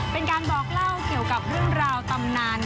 เป็นการบอกเล่าเกี่ยวกับเรื่องราวตำนาน